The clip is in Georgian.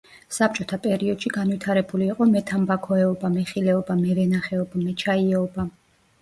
საბჭოთა პერიოდში განვითარებული იყო მეთამბაქოეობა, მეხილეობა, მევენახეობა, მეჩაიეობა.